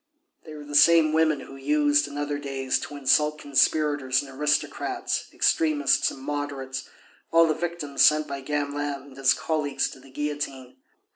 They were the same women who used in other days to insult conspirators and aristocrats, extremists and moderates, all the victims sent by Gamelin and his colleagues to the guillotine.